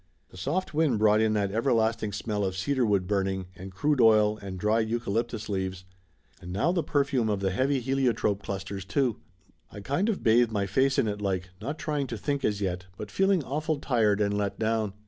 The soft wind brought in that everlasting smell of cedar wood burning and crude oil and dried eucalyptus leaves. And now the perfume Laughter Limited 261 of the heavy heliotrope clusters too. I kind of bathed my face in it like, not trying to think as yet, but feeling awful tired and let down.